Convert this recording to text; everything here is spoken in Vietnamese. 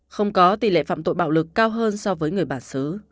không có tỷ lệ phạm tội bạo lực cao hơn so với người bản xứ